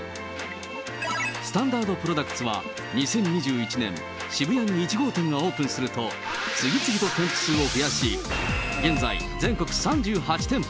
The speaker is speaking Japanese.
スタンダードプロダクツは２０２１年、渋谷に１号店がオープンすると、次々と店舗数を増やし、現在、全国３８店舗。